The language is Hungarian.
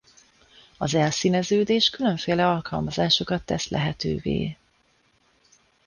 Az elszíneződés különféle alkalmazásokat tesz lehetővé.